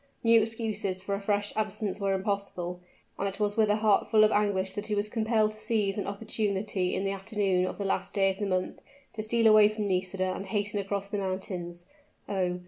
New excuses for a fresh absence were impossible; and it was with a heart full of anguish that he was compelled to seize an opportunity in the afternoon of the last day of the month, to steal away from Nisida and hasten across the mountains. Oh!